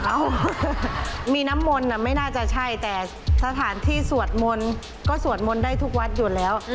เอ้ามีน้ำมนต์ไม่น่าจะใช่แต่สถานที่สวดมนต์ก็สวดมนต์ได้ทุกวัดอยู่แล้ว